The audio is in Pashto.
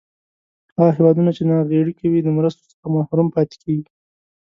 هغه هېوادونه چې ناغیړي کوي د مرستو څخه محروم پاتې کیږي.